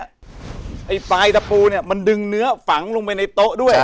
ไอ้ปลายตะปูเนี่ยมันดึงเนื้อฝังลงไปในโต๊ะด้วย